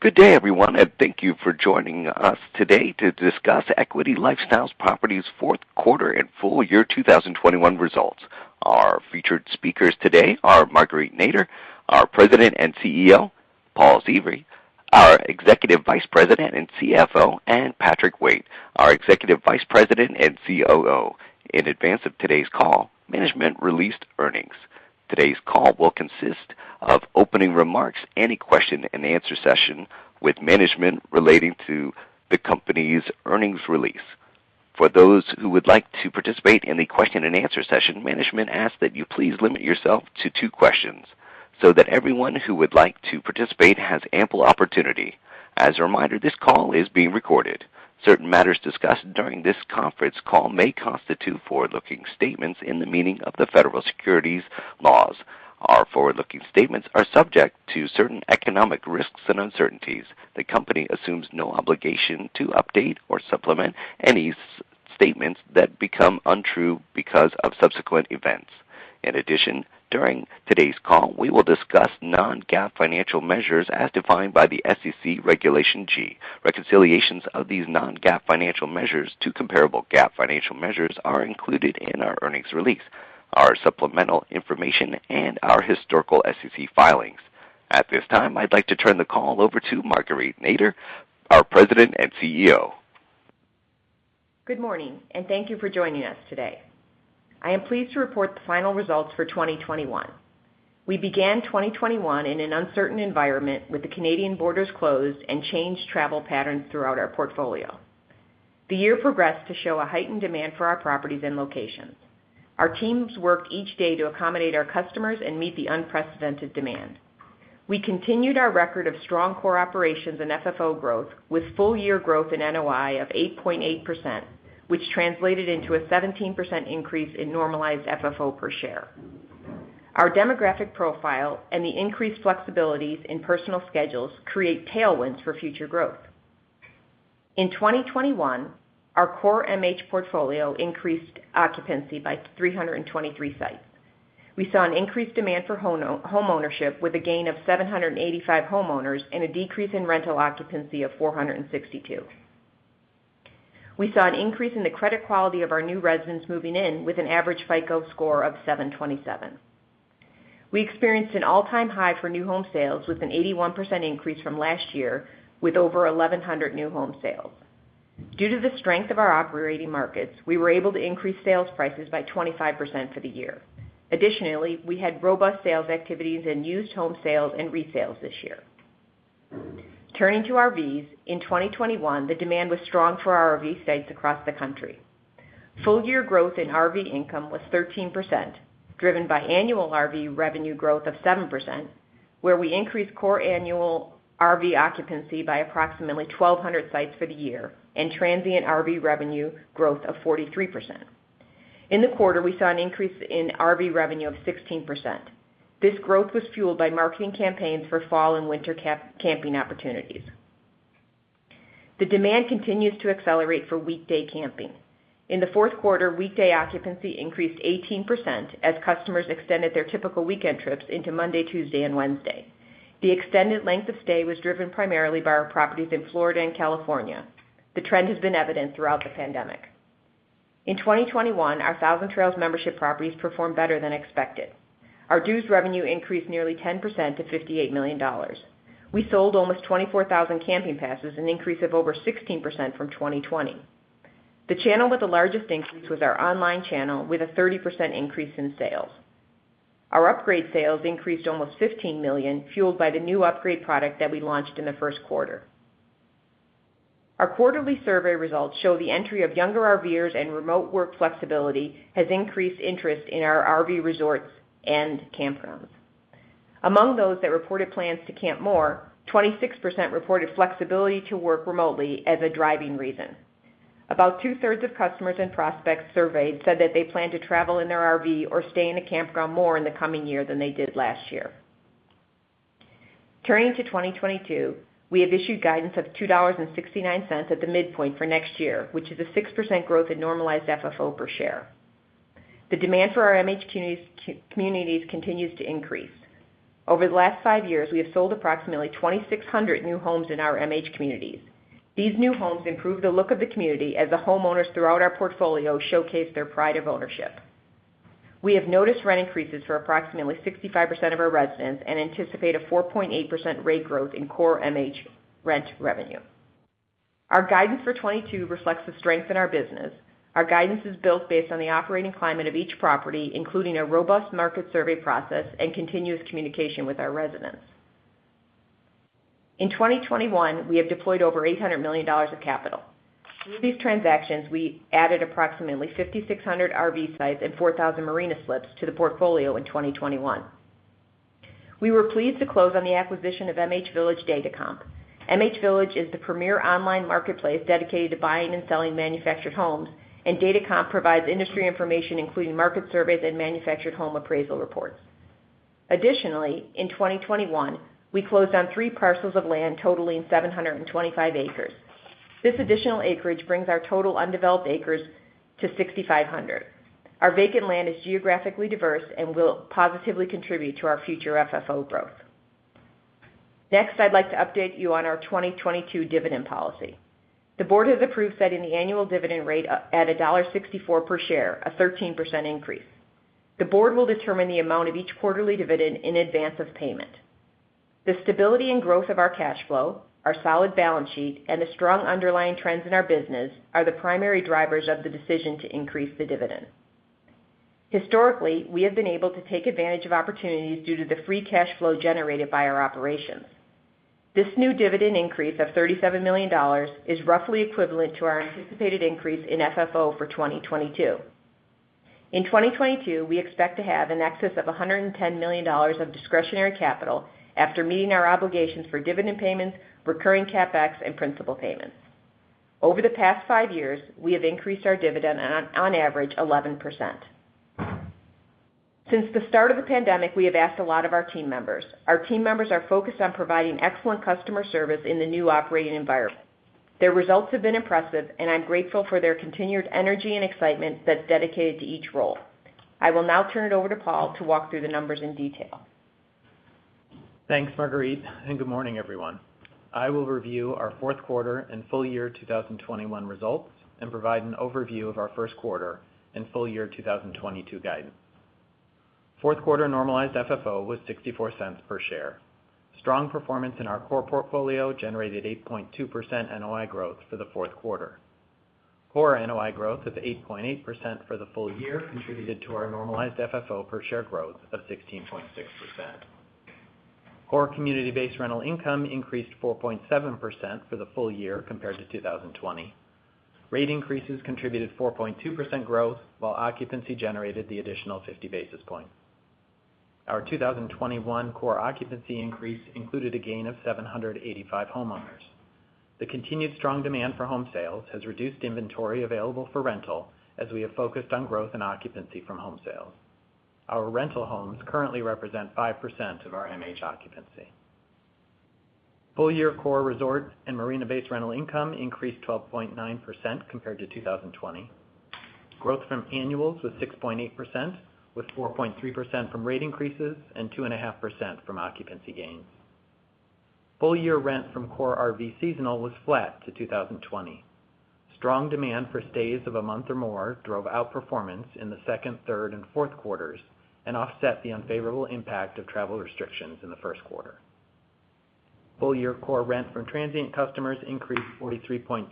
Good day, everyone, and thank you for joining us today to discuss Equity LifeStyle Properties Fourth Quarter and Full Year 2021 Results. Our featured speakers today are Marguerite Nader, our President and CEO, Paul Seavey, our Executive Vice President and CFO, and Patrick Waite, our Executive Vice President and COO. In advance of today's call, management released earnings. Today's call will consist of opening remarks and a question-and-answer session with management relating to the company's earnings release. For those who would like to participate in the question-and-answer session, management asks that you please limit yourself to two questions so that everyone who would like to participate has ample opportunity. As a reminder, this call is being recorded. Certain matters discussed during this conference call may constitute forward-looking statements within the meaning of the federal securities laws. Our forward-looking statements are subject to certain economic risks and uncertainties. The company assumes no obligation to update or supplement any forward-looking statements that become untrue because of subsequent events. In addition, during today's call, we will discuss non-GAAP financial measures as defined by the SEC Regulation G. Reconciliations of these non-GAAP financial measures to comparable GAAP financial measures are included in our earnings release, our supplemental information, and our historical SEC filings. At this time, I'd like to turn the call over to Marguerite Nader, our President and CEO. Good morning, and thank you for joining us today. I am pleased to report the final results for 2021. We began 2021 in an uncertain environment with the Canadian borders closed and changed travel patterns throughout our portfolio. The year progressed to show a heightened demand for our properties and locations. Our teams worked each day to accommodate our customers and meet the unprecedented demand. We continued our record of strong core operations and FFO growth with full-year growth in NOI of 8.8%, which translated into a 17% increase in normalized FFO per share. Our demographic profile and the increased flexibilities in personal schedules create tailwinds for future growth. In 2021, our core MH portfolio increased occupancy by 323 sites. We saw an increased demand for homeownership with a gain of 785 homeowners and a decrease in rental occupancy of 462. We saw an increase in the credit quality of our new residents moving in with an average FICO score of 727. We experienced an all-time high for new home sales, with an 81% increase from last year with over 1,100 new home sales. Due to the strength of our operating markets, we were able to increase sales prices by 25% for the year. Additionally, we had robust sales activities in used home sales and resales this year. Turning to RVs, in 2021, the demand was strong for our RV sites across the country. Full-year growth in RV income was 13%, driven by annual RV revenue growth of 7%, where we increased core annual RV occupancy by approximately 1,200 sites for the year and transient RV revenue growth of 43%. In the quarter, we saw an increase in RV revenue of 16%. This growth was fueled by marketing campaigns for fall and winter camping opportunities. The demand continues to accelerate for weekday camping. In the fourth quarter, weekday occupancy increased 18% as customers extended their typical weekend trips into Monday, Tuesday, and Wednesday. The extended length of stay was driven primarily by our properties in Florida and California. The trend has been evident throughout the pandemic. In 2021, our Thousand Trails membership properties performed better than expected. Our dues revenue increased nearly 10% to $58 million. We sold almost 24,000 camping passes, an increase of over 16% from 2020. The channel with the largest increase was our online channel with a 30% increase in sales. Our upgrade sales increased almost $15 million, fueled by the new upgrade product that we launched in the first quarter. Our quarterly survey results show the entry of younger RVers and remote work flexibility has increased interest in our RV resorts and campgrounds. Among those that reported plans to camp more, 26% reported flexibility to work remotely as a driving reason. About 2/3 of customers and prospects surveyed said that they plan to travel in their RV or stay in a campground more in the coming year than they did last year. Turning to 2022, we have issued guidance of $2.69 at the midpoint for next year, which is a 6% growth in normalized FFO per share. The demand for our MH communities continues to increase. Over the last five years, we have sold approximately 2,600 new homes in our MH communities. These new homes improve the look of the community as the homeowners throughout our portfolio showcase their pride of ownership. We have noticed rent increases for approximately 65% of our residents and anticipate a 4.8% rate growth in core MH rent revenue. Our guidance for 2022 reflects the strength in our business. Our guidance is built based on the operating climate of each property, including a robust market survey process and continuous communication with our residents. In 2021, we have deployed over $800 million of capital. Through these transactions, we added approximately 5,600 RV sites and 4,000 marina slips to the portfolio in 2021. We were pleased to close on the acquisition of MHVillage, Datacomp. MHVillage is the premier online marketplace dedicated to buying and selling manufactured homes, and Datacomp provides industry information, including market surveys and manufactured home appraisal reports. Additionally, in 2021, we closed on three parcels of land totaling 725 acres. This additional acreage brings our total undeveloped acres to 6,500. Our vacant land is geographically diverse and will positively contribute to our future FFO growth. Next, I'd like to update you on our 2022 dividend policy. The board has approved setting the annual dividend rate at $1.64 per share, a 13% increase. The board will determine the amount of each quarterly dividend in advance of payment. The stability and growth of our cash flow, our solid balance sheet, and the strong underlying trends in our business are the primary drivers of the decision to increase the dividend. Historically, we have been able to take advantage of opportunities due to the free cash flow generated by our operations. This new dividend increase of $37 million is roughly equivalent to our anticipated increase in FFO for 2022. In 2022, we expect to have in excess of $110 million of discretionary capital after meeting our obligations for dividend payments, recurring CapEx, and principal payments. Over the past five years, we have increased our dividend on average 11%. Since the start of the pandemic, we have asked a lot of our team members. Our team members are focused on providing excellent customer service in the new operating environment. Their results have been impressive, and I'm grateful for their continued energy and excitement that's dedicated to each role. I will now turn it over to Paul to walk through the numbers in detail. Thanks, Marguerite, and good morning, everyone. I will review our fourth quarter and full year 2021 results and provide an overview of our first quarter and full year 2022 guidance. Fourth quarter normalized FFO was $0.64 per share. Strong performance in our core portfolio generated 8.2% NOI growth for the fourth quarter. Core NOI growth of 8.8% for the full year contributed to our normalized FFO per share growth of 16.6%. Core community-based rental income increased 4.7% for the full year compared to 2020. Rate increases contributed 4.2% growth, while occupancy generated the additional 50 basis points. Our 2021 core occupancy increase included a gain of 785 homeowners. The continued strong demand for home sales has reduced inventory available for rental as we have focused on growth and occupancy from home sales. Our rental homes currently represent 5% of our MH occupancy. Full year core resort and marina-based rental income increased 12.9% compared to 2020. Growth from annuals was 6.8%, with 4.3% from rate increases and 2.5% from occupancy gains. Full year rent from core RV seasonal was flat to 2020. Strong demand for stays of a month or more drove outperformance in the second, third, and fourth quarters and offset the unfavorable impact of travel restrictions in the first quarter. Full year core rent from transient customers increased 43.2%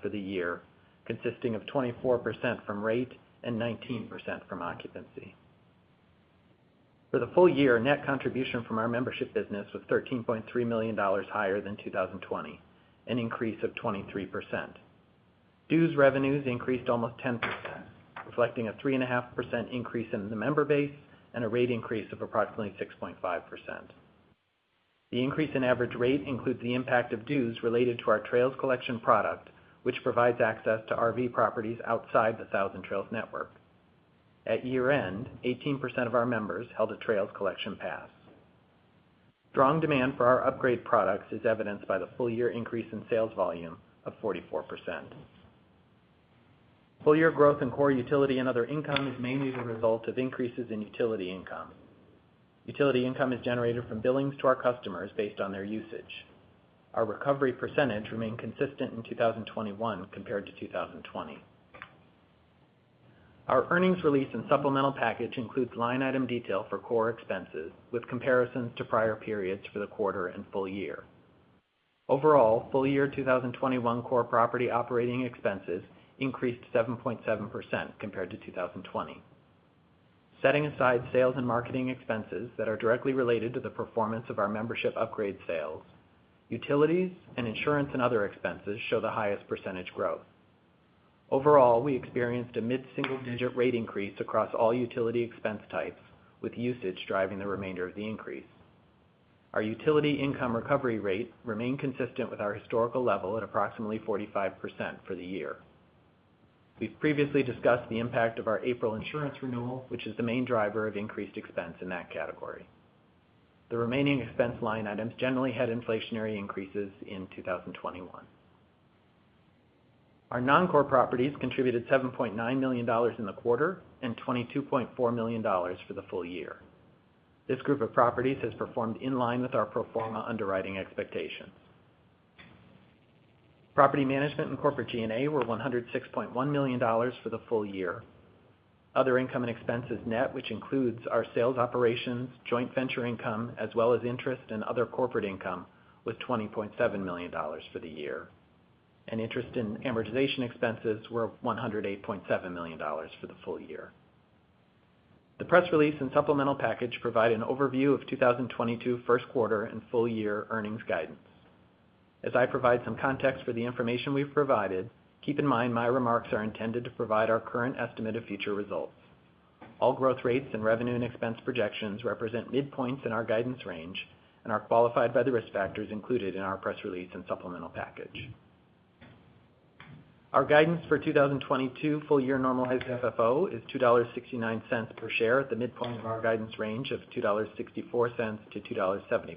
for the year, consisting of 24% from rate and 19% from occupancy. For the full year, net contribution from our membership business was $13.3 million higher than 2020, an increase of 23%. Dues revenues increased almost 10%, reflecting a 3.5% increase in the member base and a rate increase of approximately 6.5%. The increase in average rate includes the impact of dues related to our Trails Collection product, which provides access to RV properties outside the Thousand Trails network. At year-end, 18% of our members held a Trails Collection pass. Strong demand for our upgrade products is evidenced by the full-year increase in sales volume of 44%. Full year growth in core utility and other income is mainly the result of increases in utility income. Utility income is generated from billings to our customers based on their usage. Our recovery percentage remained consistent in 2021 compared to 2020. Our earnings release and supplemental package includes line item detail for core expenses with comparisons to prior periods for the quarter and full year. Overall, full year 2021 core property operating expenses increased 7.7% compared to 2020. Setting aside sales and marketing expenses that are directly related to the performance of our membership upgrade sales, utilities and insurance and other expenses show the highest percentage growth. Overall, we experienced a mid-single-digit rate increase across all utility expense types, with usage driving the remainder of the increase. Our utility income recovery rate remained consistent with our historical level at approximately 45% for the year. We've previously discussed the impact of our April insurance renewal, which is the main driver of increased expense in that category. The remaining expense line items generally had inflationary increases in 2021. Our non-core properties contributed $7.9 million in the quarter and $22.4 million for the full year. This group of properties has performed in line with our pro forma underwriting expectations. Property management and corporate G&A were $106.1 million for the full year. Other income and expenses net, which includes our sales operations, joint venture income, as well as interest and other corporate income, was $20.7 million for the year. Interest and amortization expenses were $108.7 million for the full year. The press release and supplemental package provide an overview of 2022 first quarter and full year earnings guidance. As I provide some context for the information we've provided, keep in mind my remarks are intended to provide our current estimate of future results. All growth rates and revenue and expense projections represent midpoints in our guidance range and are qualified by the risk factors included in our press release and supplemental package. Our guidance for 2022 full year normalized FFO is $2.69 per share at the midpoint of our guidance range of $2.64-$2.74.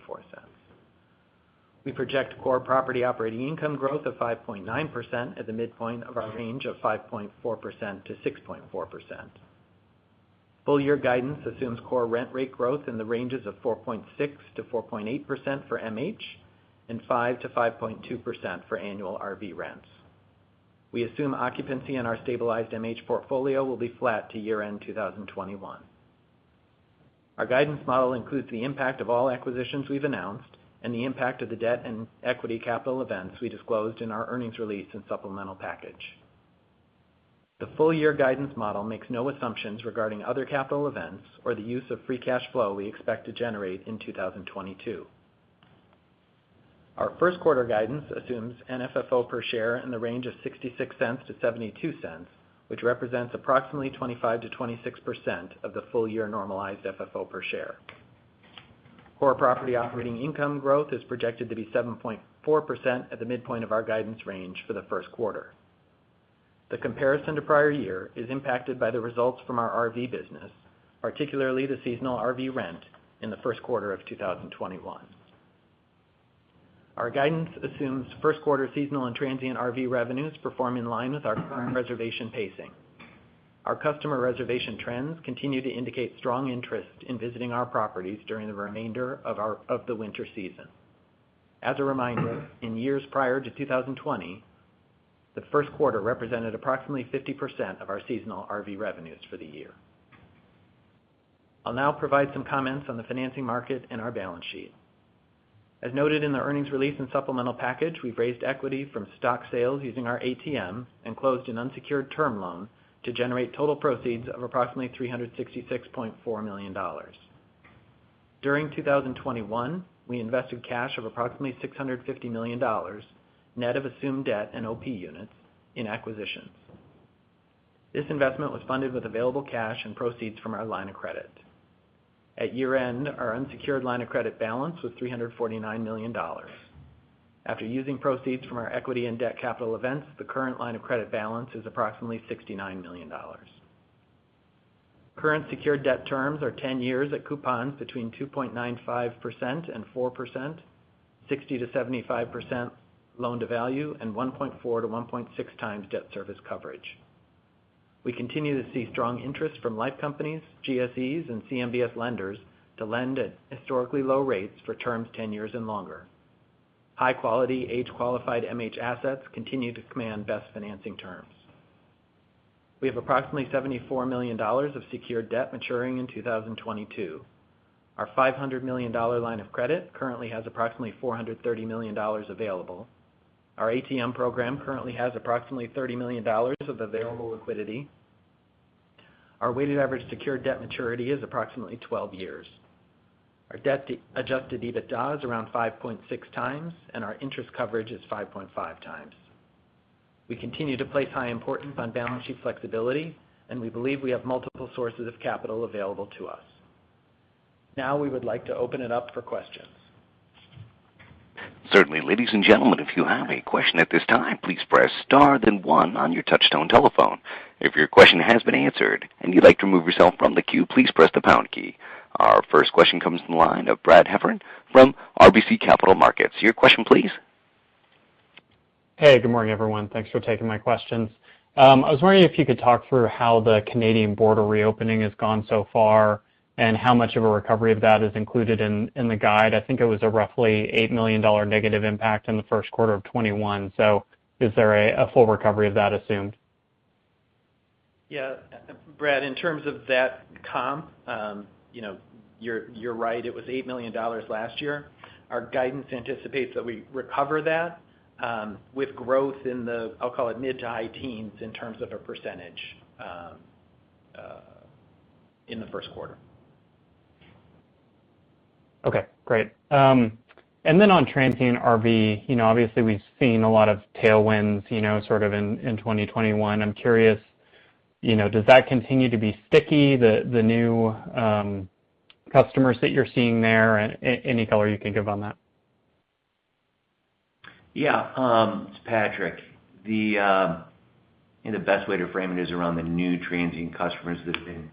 We project core property operating income growth of 5.9% at the midpoint of our range of 5.4%-6.4%. Full year guidance assumes core rent rate growth in the ranges of 4.6%-4.8% for MH and 5%-5.2% for annual RV rents. We assume occupancy in our stabilized MH portfolio will be flat to year-end 2021. Our guidance model includes the impact of all acquisitions we've announced and the impact of the debt and equity capital events we disclosed in our earnings release and supplemental package. The full year guidance model makes no assumptions regarding other capital events or the use of free cash flow we expect to generate in 2022. Our first quarter guidance assumes an FFO per share in the range of $0.66-$0.72, which represents approximately 25%-26% of the full year normalized FFO per share. Core property operating income growth is projected to be 7.4% at the midpoint of our guidance range for the first quarter. The comparison to prior year is impacted by the results from our RV business, particularly the seasonal RV rent in the first quarter of 2021. Our guidance assumes first quarter seasonal and transient RV revenues perform in line with our current reservation pacing. Our customer reservation trends continue to indicate strong interest in visiting our properties during the remainder of the winter season. As a reminder, in years prior to 2020, the first quarter represented approximately 50% of our seasonal RV revenues for the year. I'll now provide some comments on the financing market and our balance sheet. As noted in the earnings release and supplemental package, we've raised equity from stock sales using our ATM and closed an unsecured term loan to generate total proceeds of approximately $366.4 million. During 2021, we invested cash of approximately $650 million net of assumed debt and OP units in acquisitions. This investment was funded with available cash and proceeds from our line of credit. At year-end, our unsecured line of credit balance was $349 million. After using proceeds from our equity and debt capital events, the current line of credit balance is approximately $69 million. Current secured debt terms are 10 years at coupons between 2.95% and 4%, 60%-75% loan to value, and 1.4x-1.6x debt service coverage. We continue to see strong interest from life companies, GSEs, and CMBS lenders to lend at historically low rates for terms 10 years and longer. High quality, age qualified MH assets continue to command best financing terms. We have approximately $74 million of secured debt maturing in 2022. Our $500 million line of credit currently has approximately $430 million available. Our ATM program currently has approximately $30 million of available liquidity. Our weighted average secured debt maturity is approximately 12 years. Our debt to adjusted EBITDA is around 5.6x, and our interest coverage is 5.5x. We continue to place high importance on balance sheet flexibility, and we believe we have multiple sources of capital available to us. Now we would like to open it up for questions. Certainly. Ladies and gentlemen, if you have a question at this time, please press star then one on your touch-tone telephone. If your question has been answered and you'd like to remove yourself from the queue, please press the pound key. Our first question comes from the line of Brad Heffern from RBC Capital Markets. Your question please. Hey, good morning, everyone. Thanks for taking my questions. I was wondering if you could talk through how the Canadian border reopening has gone so far, and how much of a recovery of that is included in the guide. I think it was a roughly $8 million negative impact in the first quarter of 2021. Is there a full recovery of that assumed? Yeah, Brad, in terms of that comp, you know, you're right, it was $8 million last year. Our guidance anticipates that we recover that, with growth in the, I'll call it mid- to high 10s in terms of percentage in the first quarter. Okay, great. On transient RV, you know, obviously we've seen a lot of tailwinds, you know, sort of in 2021. I'm curious, you know, does that continue to be sticky, the new customers that you're seeing there? Any color you can give on that. Yeah. It's Patrick. You know, the best way to frame it is around the new transient customers that have been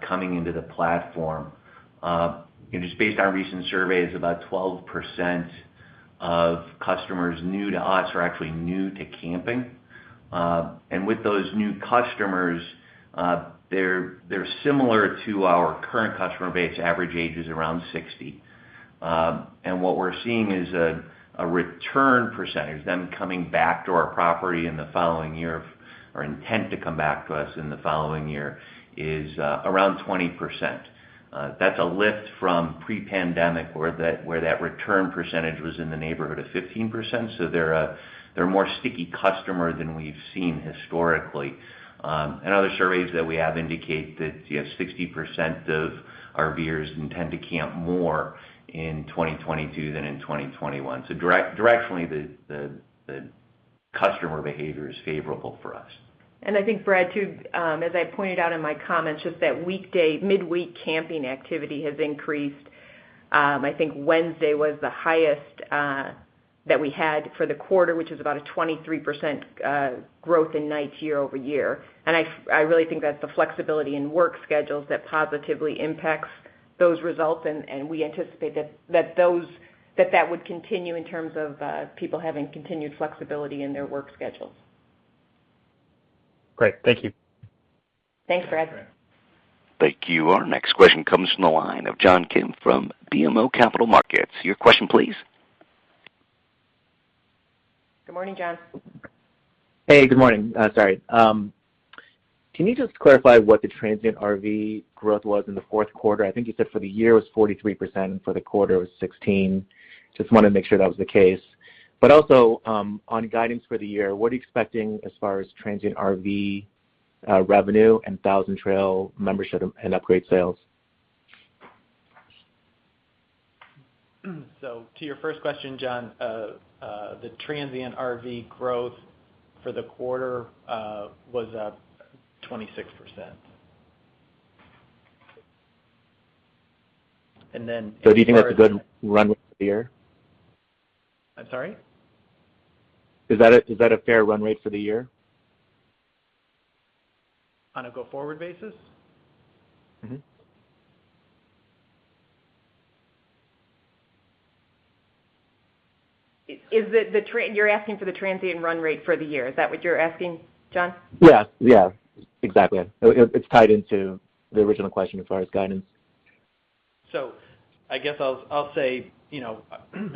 coming into the platform. Just based on recent surveys, about 12% of customers new to us are actually new to camping. With those new customers, they're similar to our current customer base, average age is around 60. What we're seeing is a return percentage, them coming back to our property in the following year or intent to come back to us in the following year, is around 20%. That's a lift from pre-pandemic where that return percentage was in the neighborhood of 15%. They're a more sticky customer than we've seen historically. Other surveys that we have indicate that, you know, 60% of RVers intend to camp more in 2022 than in 2021. Directionally, the customer behavior is favorable for us. I think, Brad, too, as I pointed out in my comments, just that weekday, midweek camping activity has increased. I think Wednesday was the highest that we had for the quarter, which is about a 23% growth in nights year-over-year. I really think that's the flexibility in work schedules that positively impacts those results, and we anticipate that those would continue in terms of people having continued flexibility in their work schedules. Great. Thank you. Thanks, Brad. Thank you. Our next question comes from the line of John Kim from BMO Capital Markets. Your question please. Good morning, John. Hey, good morning. Can you just clarify what the transient RV growth was in the fourth quarter? I think you said for the year it was 43% and for the quarter it was 16%. Just wanna make sure that was the case. Also, on guidance for the year, what are you expecting as far as transient RV revenue and Thousand Trails membership and upgrade sales? To your first question, John, the transient RV growth for the quarter was up 26%. As far as- Do you think that's a good run rate for the year? I'm sorry? Is that a fair run rate for the year? On a go-forward basis? Mm-hmm. You're asking for the transient run rate for the year. Is that what you're asking, John? Yeah. Exactly. It's tied into the original question as far as guidance. I guess I'll say, you know,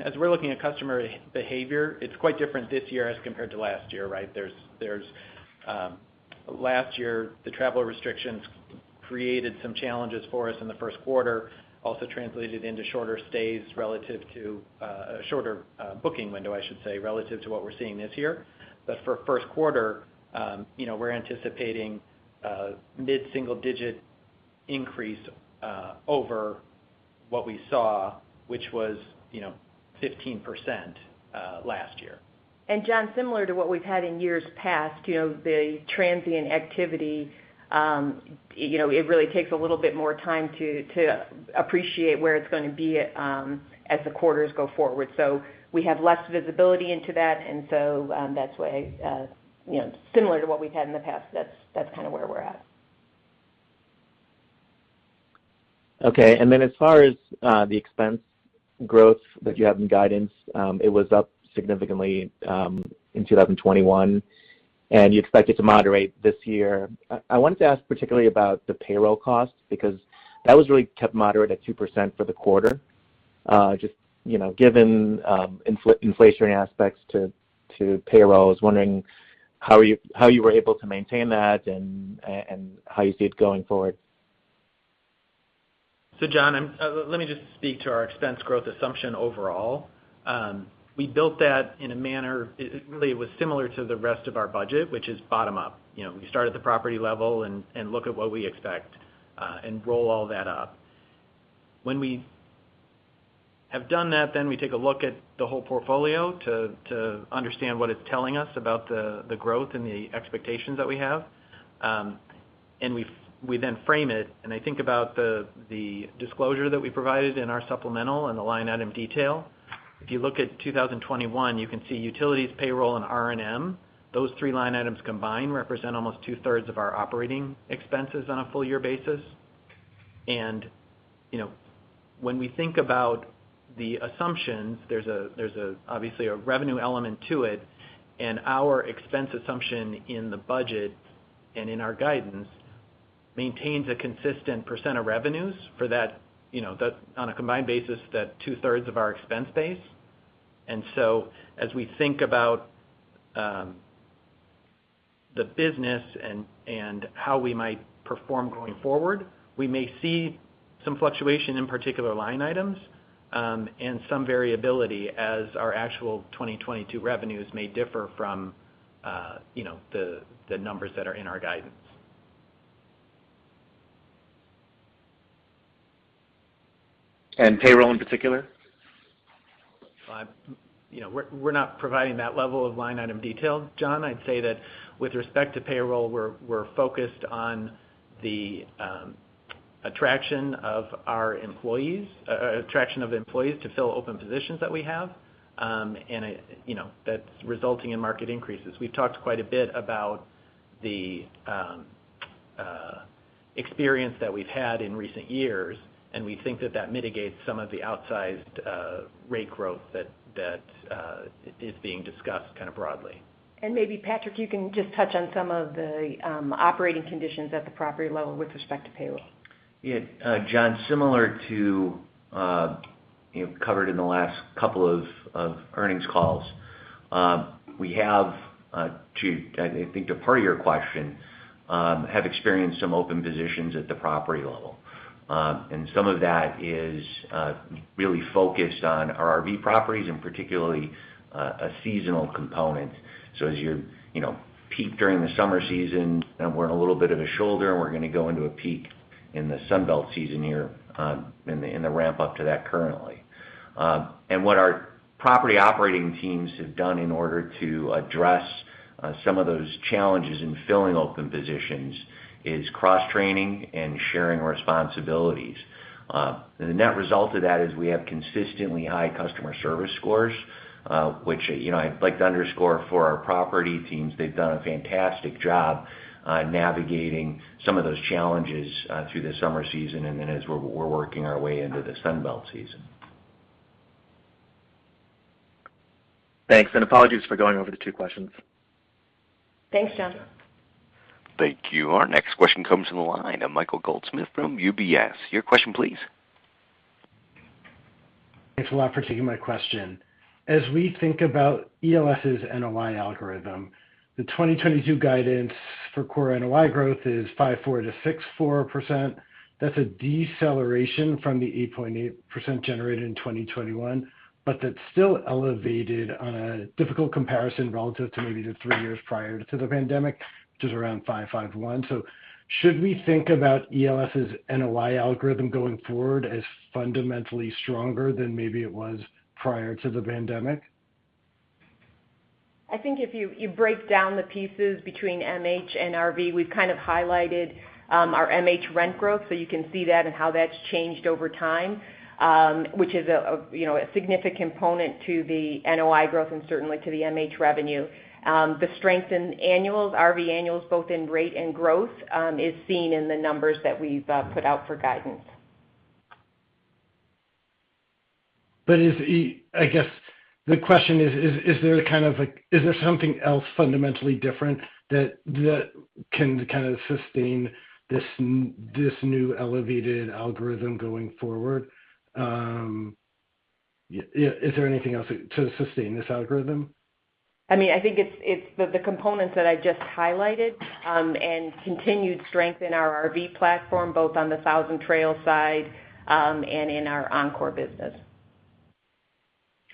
as we're looking at customer behavior, it's quite different this year as compared to last year, right? There's last year, the travel restrictions created some challenges for us in the first quarter, also translated into shorter stays relative to a shorter booking window, I should say, relative to what we're seeing this year. For first quarter, you know, we're anticipating a mid-single digit increase over what we saw, which was, you know, 15% last year. John, similar to what we've had in years past, you know, the transient activity, you know, it really takes a little bit more time to appreciate where it's gonna be at, as the quarters go forward. We have less visibility into that, and so that's why, you know, similar to what we've had in the past, that's kinda where we're at. Okay. As far as the expense growth that you have in guidance, it was up significantly in 2021, and you expect it to moderate this year. I wanted to ask particularly about the payroll costs, because that was really kept moderate at 2% for the quarter. Just, you know, given inflationary aspects to payroll, I was wondering how you were able to maintain that and how you see it going forward. John, let me just speak to our expense growth assumption overall. We built that in a manner, it really was similar to the rest of our budget, which is bottom up. You know, we start at the property level and look at what we expect and roll all that up. When we have done that, then we take a look at the whole portfolio to understand what it's telling us about the growth and the expectations that we have. We then frame it, and I think about the disclosure that we provided in our supplemental and the line item detail. If you look at 2021, you can see utilities, payroll, and R&M. Those three line items combined represent almost 2/3 of our operating expenses on a full year basis. You know, when we think about the assumptions, there's obviously a revenue element to it. Our expense assumption in the budget and in our guidance maintains a consistent percent of revenues for that, you know, on a combined basis, that 2/3 of our expense base. As we think about the business and how we might perform going forward, we may see some fluctuation in particular line items and some variability as our actual 2022 revenues may differ from you know, the numbers that are in our guidance. Payroll in particular? You know, we're not providing that level of line item detail, John. I'd say that with respect to payroll, we're focused on the attraction of employees to fill open positions that we have. You know, that's resulting in market increases. We've talked quite a bit about the experience that we've had in recent years, and we think that that mitigates some of the outsized rate growth that is being discussed kind of broadly. Maybe Patrick, you can just touch on some of the operating conditions at the property level with respect to payroll. Yeah, John, similar to, you know, covered in the last couple of earnings calls, we have, I think, to answer your question, have experienced some open positions at the property level. Some of that is really focused on our RV properties and particularly a seasonal component. As you know, we peak during the summer season, and we're in a little bit of a shoulder, and we're gonna go into a peak in the Sun Belt season here, in the ramp up to that currently. What our property operating teams have done in order to address some of those challenges in filling open positions is cross-training and sharing responsibilities. The net result of that is we have consistently high customer service scores, which, you know, I'd like to underscore for our property teams. They've done a fantastic job navigating some of those challenges through the summer season and then as we're working our way into the Sun Belt season. Thanks, and apologies for going over the two questions. Thanks, John. Thank you. Our next question comes from the line of Michael Goldsmith from UBS. Your question please. Thanks a lot for taking my question. As we think about ELS's NOI algorithm, the 2022 guidance for core NOI growth is 5.4%-6.4%. That's a deceleration from the 8.8% generated in 2021, but that's still elevated on a difficult comparison relative to maybe the three years prior to the pandemic, which is around 5.51%. Should we think about ELS's NOI algorithm going forward as fundamentally stronger than maybe it was prior to the pandemic? I think if you break down the pieces between MH and RV, we've kind of highlighted our MH rent growth. You can see that and how that's changed over time, which is a you know a significant component to the NOI growth and certainly to the MH revenue. The strength in annuals, RV annuals, both in rate and growth, is seen in the numbers that we've put out for guidance. I guess the question is there kind of like something else fundamentally different that can kind of sustain this new elevated algorithm going forward? Is there anything else to sustain this algorithm? I mean, I think it's the components that I just highlighted, and continued strength in our RV platform, both on the Thousand Trails side, and in our Encore business.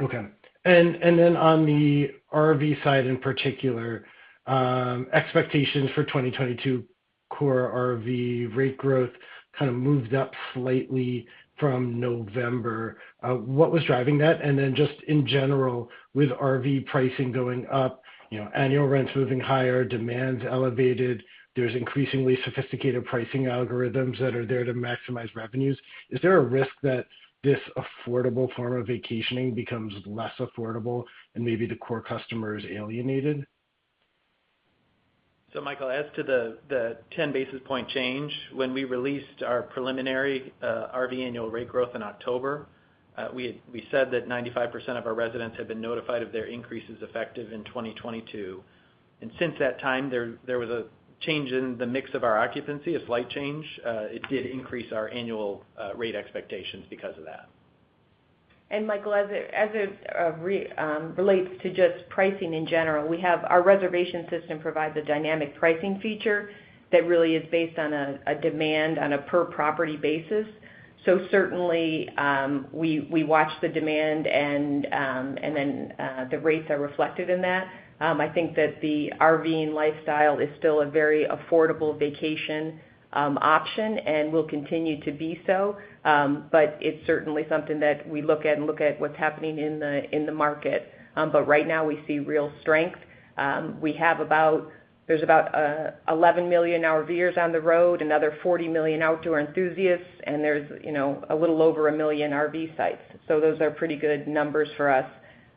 Okay. Then on the RV side in particular, expectations for 2022 core RV rate growth kind of moved up slightly from November. What was driving that? Then just in general with RV pricing going up, you know, annual rents moving higher, demand elevated, there's increasingly sophisticated pricing algorithms that are there to maximize revenues. Is there a risk that this affordable form of vacationing becomes less affordable and maybe the core customer is alienated? Michael, as to the 10 basis point change, when we released our preliminary RV annual rate growth in October, we said that 95% of our residents had been notified of their increases effective in 2022. Since that time, there was a change in the mix of our occupancy, a slight change. It did increase our annual rate expectations because of that. Michael, it relates to just pricing in general. We have our reservation system provides a dynamic pricing feature that really is based on a demand on a per property basis. Certainly, we watch the demand and then the rates are reflected in that. I think that the RVing lifestyle is still a very affordable vacation option and will continue to be so. But it's certainly something that we look at what's happening in the market. But right now we see real strength. There's about 11 million RVers on the road, another 40 million outdoor enthusiasts, and there's, you know, a little over 1 million RV sites. Those are pretty good numbers for us,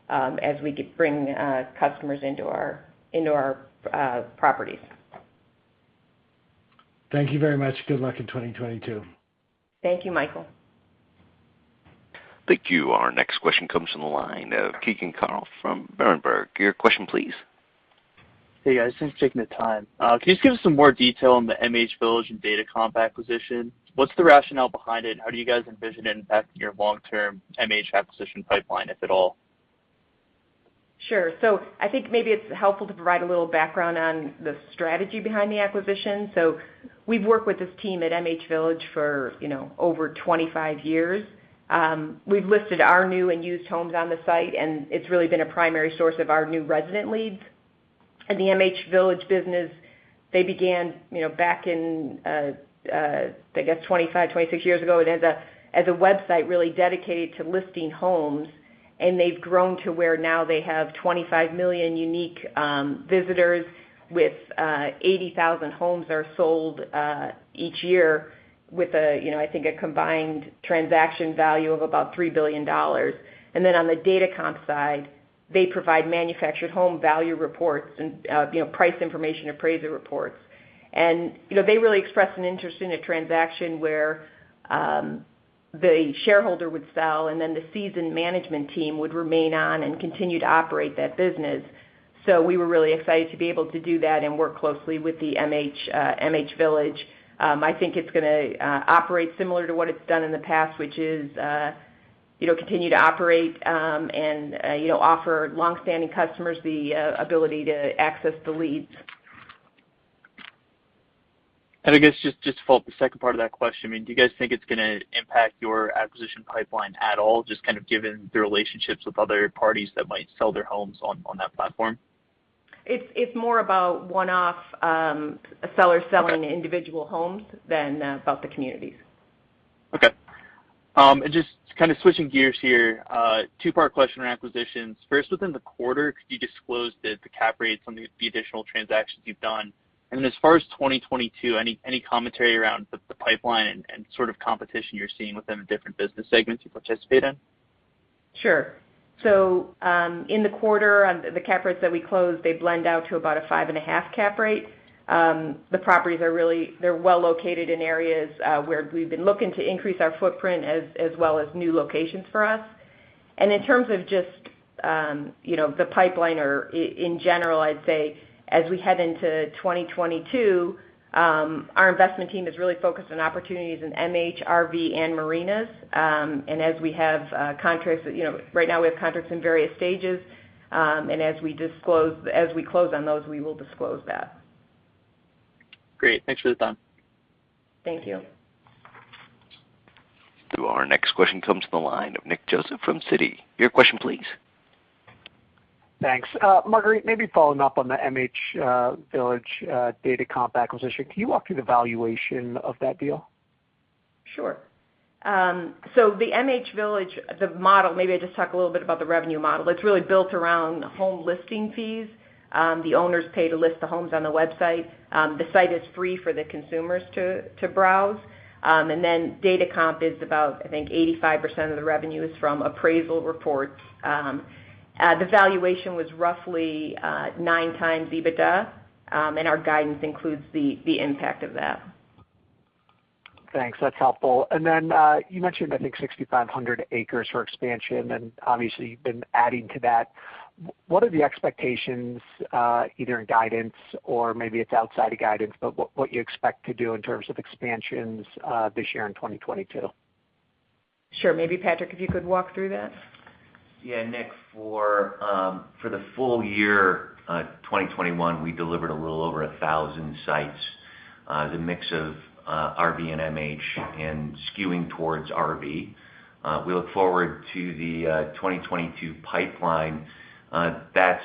as we bring customers into our properties. Thank you very much. Good luck in 2022. Thank you, Michael. Thank you. Our next question comes from the line of Keegan Carl from Berenberg. Your question please. Hey guys, thanks for taking the time. Can you just give us some more detail on the MHVillage and Datacomp acquisition? What's the rationale behind it? How do you guys envision it impacting your long-term MH acquisition pipeline, if at all? Sure. I think maybe it's helpful to provide a little background on the strategy behind the acquisition. We've worked with this team at MHVillage for, you know, over 25 years. We've listed our new and used homes on the site, and it's really been a primary source of our new resident leads. The MHVillage business, they began, you know, back in, I guess 25, 26 years ago as a website really dedicated to listing homes. They've grown to where now they have 25 million unique visitors with 80,000 homes are sold each year with a, you know, I think a combined transaction value of about $3 billion. Then on the Datacomp side, they provide manufactured home value reports and, you know, price information appraiser reports. You know, they really expressed an interest in a transaction where the shareholder would sell and then the seasoned management team would remain on and continue to operate that business. We were really excited to be able to do that and work closely with the MHVillage. I think it's gonna operate similar to what it's done in the past, which is, you know, continue to operate and, you know, offer longstanding customers the ability to access the leads. I guess just for the second part of that question, I mean, do you guys think it's gonna impact your acquisition pipeline at all, just kind of given the relationships with other parties that might sell their homes on that platform? It's more about one-off, a seller selling individual homes than about the communities. Okay. Just kind of switching gears here, two-part question around acquisitions. First, within the quarter, could you disclose the cap rates on the additional transactions you've done? As far as 2022, any commentary around the pipeline and sort of competition you're seeing within the different business segments you participate in? Sure. In the quarter on the cap rates that we closed, they blend out to about a 5.5% cap rate. The properties are really well located in areas where we've been looking to increase our footprint as well as new locations for us. In terms of just you know the pipeline or in general, I'd say, as we head into 2022, our investment team is really focused on opportunities in MH, RV and marinas. As we have contracts, you know, right now we have contracts in various stages. As we close on those, we will disclose that. Great. Thanks for the time. Thank you. To our next question comes from the line of Nick Joseph from Citi. Your question please. Thanks. Marguerite, maybe following up on the MHVillage, Datacomp acquisition, can you walk through the valuation of that deal? The MHVillage, the model, maybe I just talk a little bit about the revenue model. It's really built around home listing fees. The owners pay to list the homes on the website. Datacomp is about, I think, 85% of the revenue is from appraisal reports. The valuation was roughly 9x EBITDA, and our guidance includes the impact of that. Thanks. That's helpful. You mentioned, I think, 6,500 acres for expansion, and obviously you've been adding to that. What are the expectations, either in guidance or maybe it's outside of guidance, but what you expect to do in terms of expansions, this year in 2022? Sure. Maybe Patrick, if you could walk through that. Yeah, Nick, for the full year 2021, we delivered a little over 1,000 sites. The mix of RV and MH, skewing towards RV. We look forward to the 2022 pipeline. That's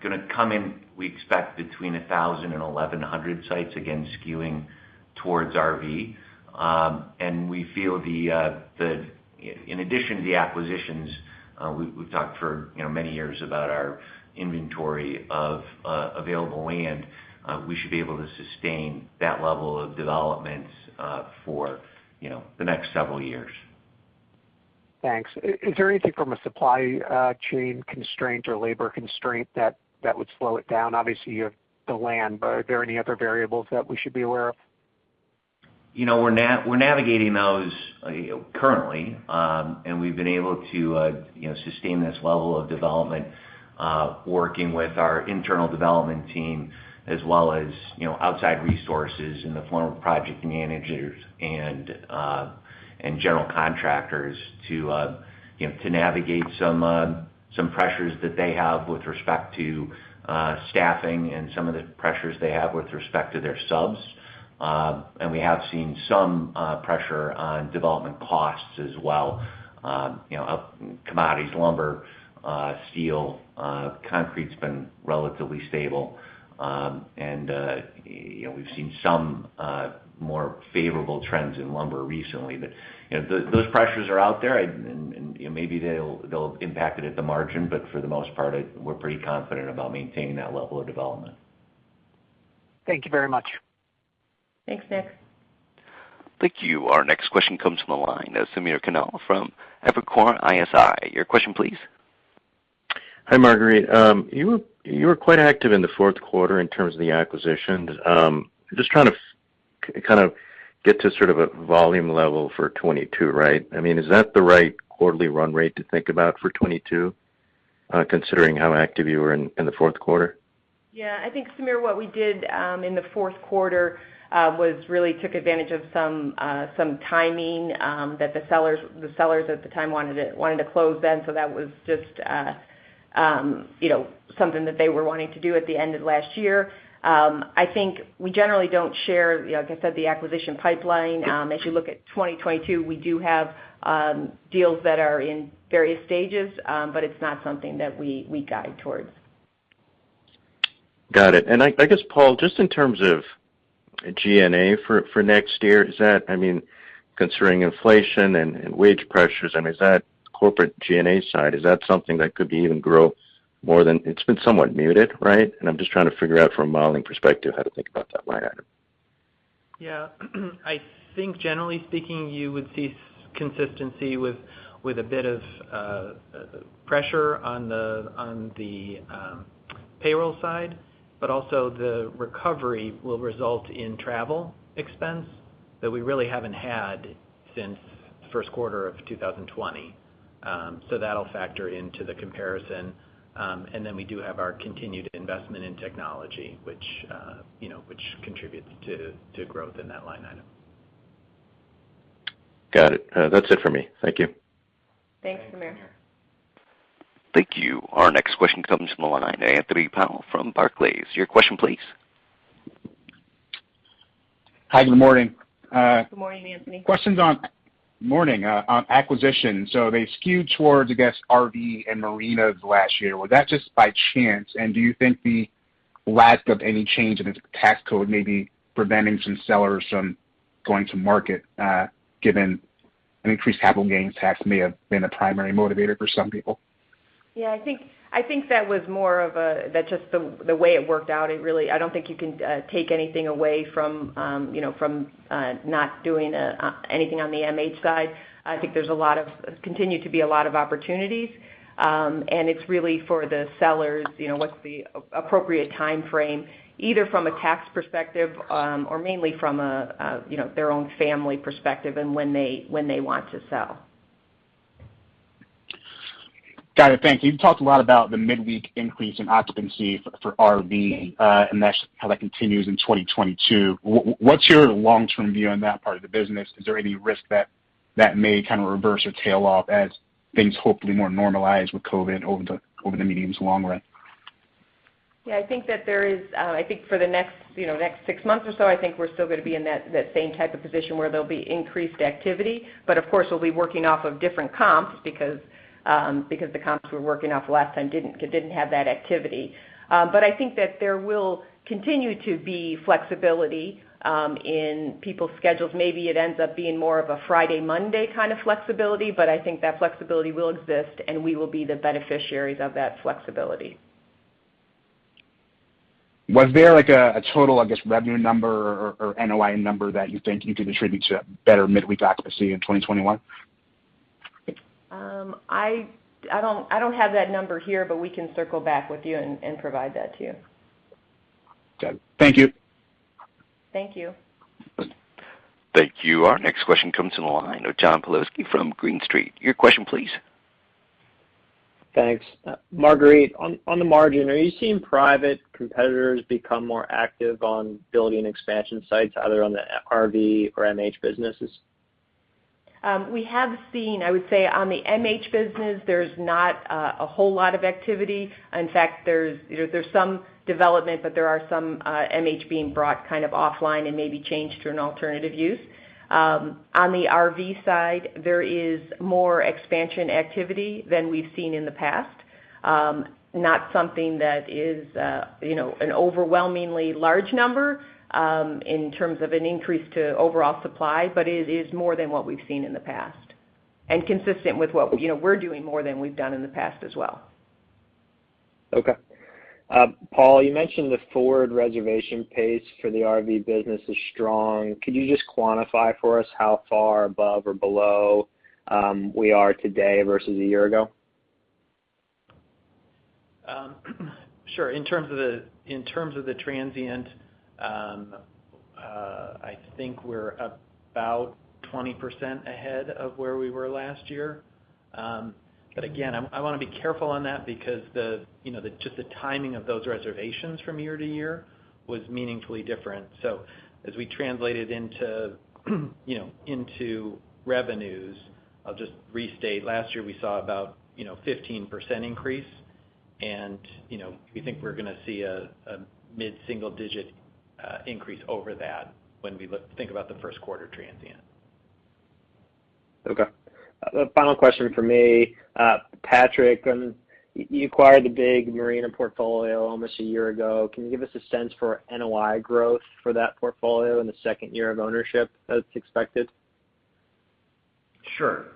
gonna come in, we expect between 1,000 and 1,100 sites, again, skewing towards RV. In addition to the acquisitions, we've talked for, you know, many years about our inventory of available land. We should be able to sustain that level of development for, you know, the next several years. Thanks. Is there anything from a supply chain constraint or labor constraint that would slow it down? Obviously, you have the land, but are there any other variables that we should be aware of? You know, we're navigating those currently, and we've been able to, you know, sustain this level of development, working with our internal development team as well as, you know, outside resources in the form of project managers and general contractors to, you know, to navigate some pressures that they have with respect to staffing and some of the pressures they have with respect to their subs. We have seen some pressure on development costs as well, you know, up commodities, lumber, steel, concrete's been relatively stable. You know, we've seen some more favorable trends in lumber recently. You know, those pressures are out there. Maybe they'll impact it at the margin, but for the most part, we're pretty confident about maintaining that level of development. Thank you very much. Thanks, Nick. Thank you. Our next question comes from the line, Samir Khanal from Evercore ISI. Your question please. Hi, Marguerite. You were quite active in the fourth quarter in terms of the acquisitions. Just trying to kind of get to sort of a volume level for 2022, right? I mean, is that the right quarterly run rate to think about for 2022, considering how active you were in the fourth quarter? Yeah. I think, Samir, what we did in the fourth quarter was really took advantage of some timing that the sellers at the time wanted to close then, so that was just, you know, something that they were wanting to do at the end of last year. I think we generally don't share, you know, like I said, the acquisition pipeline. As you look at 2022, we do have deals that are in various stages, but it's not something that we guide towards. Got it. I guess, Paul, just in terms of G&A for next year, is that, I mean, considering inflation and wage pressures, I mean, is that corporate G&A side, is that something that could be even grow more than. It's been somewhat muted, right? I'm just trying to figure out from a modeling perspective how to think about that line item. Yeah. I think generally speaking, you would see consistency with a bit of pressure on the payroll side, but also the recovery will result in travel expense that we really haven't had since first quarter of 2020. That'll factor into the comparison. Then we do have our continued investment in technology, which you know which contributes to growth in that line item. Got it. That's it for me. Thank you. Thanks, Samir. Thank you. Our next question comes from the line of Anthony Powell from Barclays. Your question, please. Hi, good morning. Good morning, Anthony. Questions on acquisitions. They skewed towards, I guess, RV and marinas last year. Was that just by chance? Do you think the lack of any change in the tax code may be preventing some sellers from going to market, given an increased capital gains tax may have been a primary motivator for some people? Yeah, I think that's just the way it worked out. I don't think you can take anything away from you know from not doing anything on the MH side. I think there's continue to be a lot of opportunities. It's really for the sellers, you know, what's the appropriate timeframe, either from a tax perspective, or mainly from a you know their own family perspective and when they want to sell. Got it. Thank you. You've talked a lot about the midweek increase in occupancy for RV, and that's how it continues in 2022. What's your long-term view on that part of the business? Is there any risk that may kind of reverse or tail off as things hopefully more normalize with COVID over the medium to long run? Yeah, I think that there is. I think for the next, you know, next six months or so, I think we're still gonna be in that same type of position where there'll be increased activity. Of course, we'll be working off of different comps because the comps we're working off last time didn't have that activity. I think that there will continue to be flexibility in people's schedules. Maybe it ends up being more of a Friday, Monday kind of flexibility, but I think that flexibility will exist, and we will be the beneficiaries of that flexibility. Was there like a total, I guess, revenue number or NOI number that you think you can attribute to that better midweek occupancy in 2021? I don't have that number here, but we can circle back with you and provide that to you. Got it. Thank you. Thank you. Thank you. Our next question comes in the line of John Pawlowski from Green Street. Your question, please. Thanks. Marguerite, on the margin, are you seeing private competitors become more active on building expansion sites, either on the RV or MH businesses? We have seen, I would say on the MH business, there's not a whole lot of activity. In fact, there's, you know, there's some development, but there are some MH being brought kind of offline and maybe changed to an alternative use. On the RV side, there is more expansion activity than we've seen in the past. Not something that is, you know, an overwhelmingly large number, in terms of an increase to overall supply, but it is more than what we've seen in the past. Consistent with what, you know, we're doing more than we've done in the past as well. Okay. Paul, you mentioned the forward reservation pace for the RV business is strong. Could you just quantify for us how far above or below we are today versus a year ago? Sure. In terms of the transient, I think we're about 20% ahead of where we were last year. But again, I wanna be careful on that because, you know, just the timing of those reservations from year to year was meaningfully different. As we translate it into, you know, into revenues, I'll just restate. Last year, we saw about, you know, 15% increase and, you know, we think we're gonna see a mid-single-digit increase over that when we think about the first quarter transient. Okay. A final question from me. Patrick, you acquired a big marina portfolio almost a year ago. Can you give us a sense for NOI growth for that portfolio in the second year of ownership that's expected? Sure.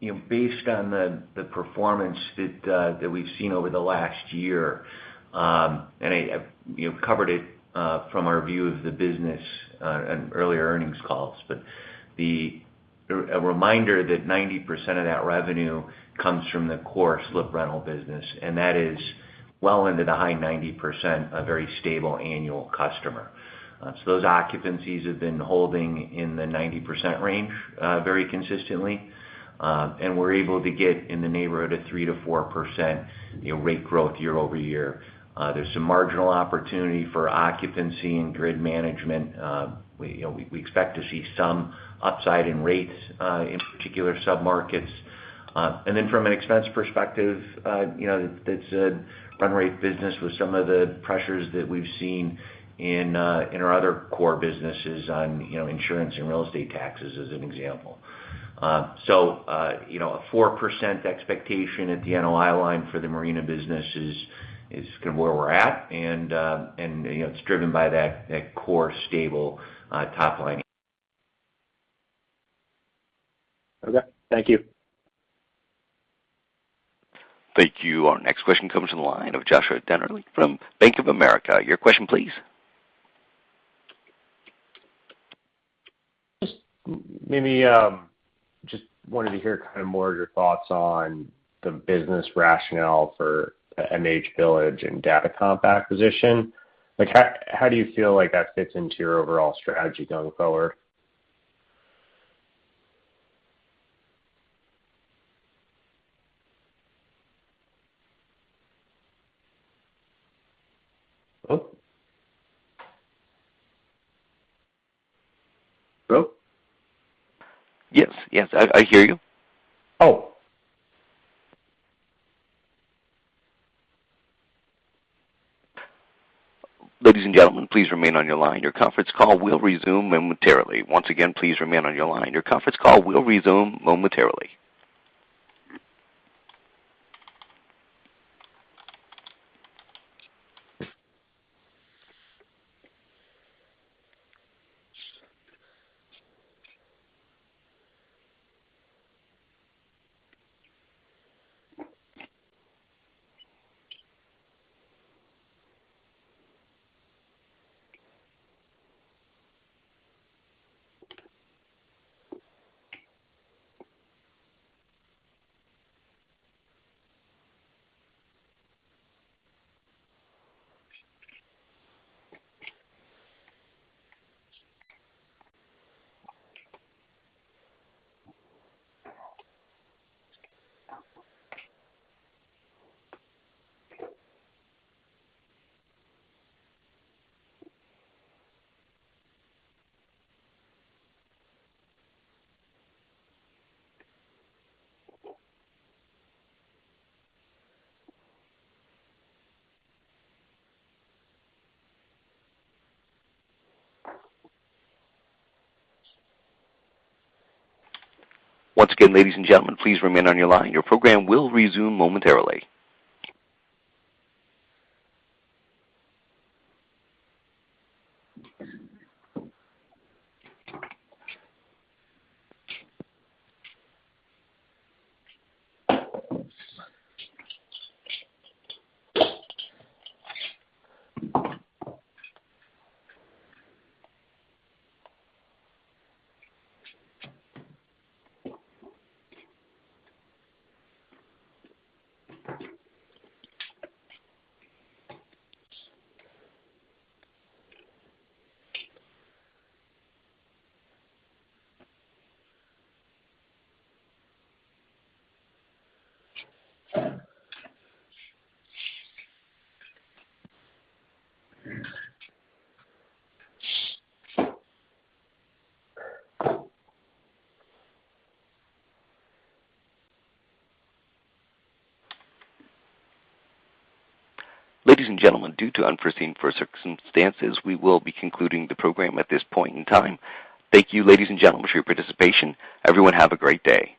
You know, based on the performance that we've seen over the last year, and I, you know, covered it from our view of the business in earlier earnings calls. A reminder that 90% of that revenue comes from the core slip rental business, and that is well into the high 90%, a very stable annual customer. Those occupancies have been holding in the 90% range very consistently. We're able to get in the neighborhood of 3%-4%, you know, rate growth year-over-year. There's some marginal opportunity for occupancy and grid management. We, you know, expect to see some upside in rates in particular submarkets. From an expense perspective, you know, that's a run rate business with some of the pressures that we've seen in our other core businesses on, you know, insurance and real estate taxes as an example. You know, a 4% expectation at the NOI line for the marina business is kind of where we're at and, you know, it's driven by that core stable top line. Okay. Thank you. Thank you. Our next question comes from the line of Joshua Dennerlein from Bank of America. Your question, please. Just maybe, just wanted to hear kind of more of your thoughts on the business rationale for the MHVillage and Datacomp acquisition. Like, how do you feel like that fits into your overall strategy going forward? Hello? Hello? Yes, yes. I hear you. Oh. Ladies and gentlemen, please remain on your line. Your conference call will resume momentarily. Once again, please remain on your line. Your conference call will resume momentarily. Once again, ladies and gentlemen, please remain on your line. Your program will resume momentarily. Ladies and gentlemen, due to unforeseen circumstances, we will be concluding the program at this point in time. Thank you, ladies and gentlemen, for your participation. Everyone, have a great day.